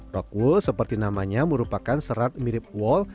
rockwool seperti namanya merupakan serat mirip wool